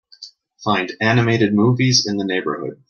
Find animated movies in the neighborhood.